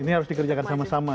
ini harus dikerjakan sama sama